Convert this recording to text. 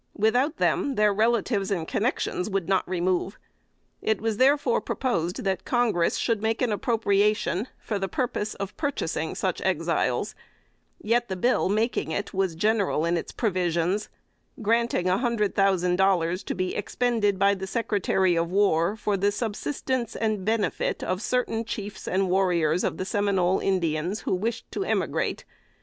Without them, their relatives and connexions would not remove. It was therefore proposed that Congress should make an appropriation for the purpose of purchasing such Exiles; yet the bill making it was general in its provisions, granting a hundred thousand dollars to be expended by the Secretary of War for the subsistence and benefit of certain chiefs and warriors of the Seminole Indians who wished to emigrate.